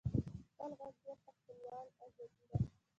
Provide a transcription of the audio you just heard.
خپل غږ بېرته خپلول ازادي ده.